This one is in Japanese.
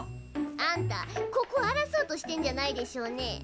あんたここあらそうとしてんじゃないでしょうね？